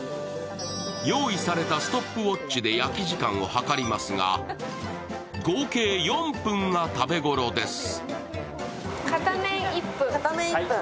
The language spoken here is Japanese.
用意されたストップウォッチで焼き時間を計りますが合計４分が食べごろです。